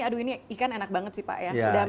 aduh ini ikan enak banget sih pak ya